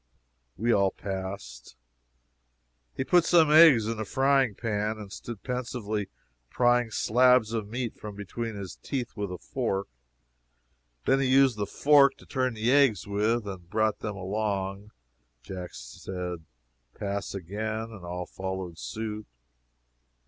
We all passed. He put some eggs in a frying pan, and stood pensively prying slabs of meat from between his teeth with a fork. Then he used the fork to turn the eggs with and brought them along. Jack said "Pass again." All followed suit.